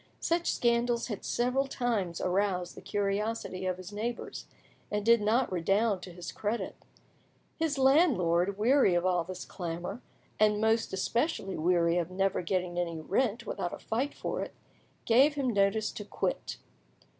Such scandals had several times aroused the curiosity of his neighbours, and did not redound to his credit. His landlord, wearied of all this clamour, and most especially weary of never getting any rent without a fight for it, gave him notice to quit.